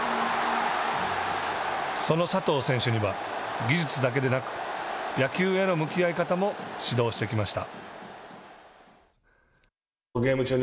その佐藤選手には技術だけでなく野球への向き合い方も指導してきました。